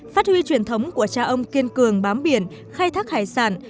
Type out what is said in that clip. phát huy truyền thống của cha ông kiên cường bám biển khai thác hải sản